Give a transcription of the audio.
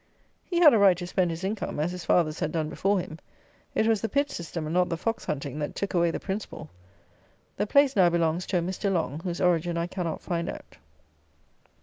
He had a right to spend his income, as his fathers had done before him. It was the Pitt system, and not the fox hunting, that took away the principal. The place now belongs to a Mr. Long, whose origin I cannot find out.